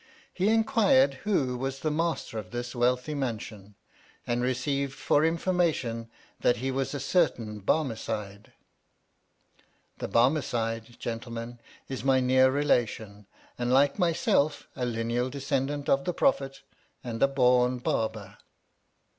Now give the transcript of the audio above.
He inquired who was the master of this wealthy mansion, and received for information that he was a certain Bar mecide. (The Barmecide, gentlemen, is my near relation, and, like myself, a lineal descendant of the Prophet, and a born Barber.)